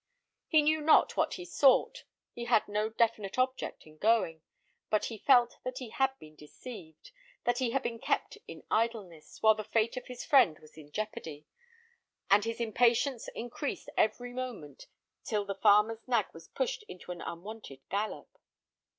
He knew not what he sought; he had no definite object in going; but he felt that he had been deceived, that he had been kept in idleness, while the fate of his friend was in jeopardy, and his impatience increased every moment till the farmer's nag was pushed into an unwonted gallop.